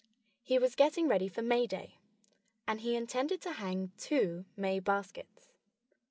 He was getting ready for May Day. And he intended to hang two May baskets.